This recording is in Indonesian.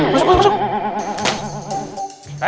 masuk masuk masuk